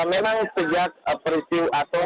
memang sejak perisiw atau